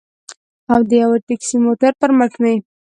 او د یوه ټکسي موټر پر مټ مې.